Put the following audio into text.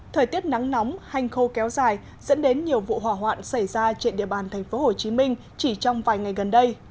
thời tiết nắng nóng hành khô kéo dài dẫn đến nhiều vụ hỏa hoạn xảy ra trên địa bàn tp hcm chỉ trong vài ngày gần đây